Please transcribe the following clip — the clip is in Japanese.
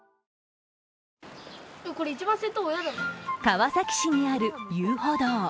川崎市にある遊歩道。